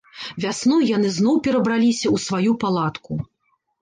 Вясной яны зноў перабіраліся ў сваю палатку.